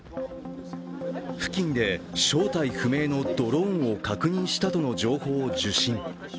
付近で正体不明のドローンを確認したとの情報を受信。